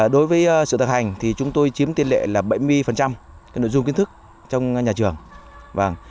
đối với sự thực hành thì chúng tôi chiếm tiên lệ là bảy mươi nội dung kiến thức trong nhà trường